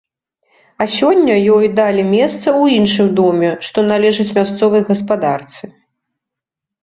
А сёння ёй далі месца ў іншым доме, што належыць мясцовай гаспадарцы.